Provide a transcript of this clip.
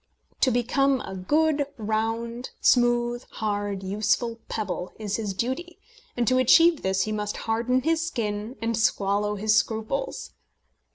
To become a good, round, smooth, hard, useful pebble is his duty, and to achieve this he must harden his skin and swallow his scruples.